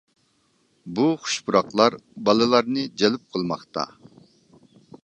بۇ خۇش پۇراقلار بالىلارنى جەلپ قىلماقتا.